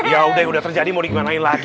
ya udah yang udah terjadi mau digimanain lagi